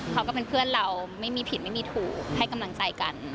เขาก็เป็นเพื่อนเราไม่มีผิดไม่มีถูกให้กำลังใจกัน